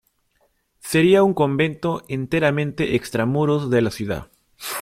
Sería un convento enteramente extramuros de la ciudad.